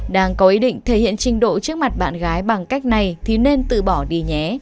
đang có ý định thể hiện trình độ trước mặt bạn gái bằng cách này thì nên tự bỏ đi nhé